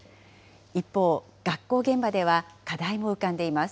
一方、学校現場では課題も浮かんでいます。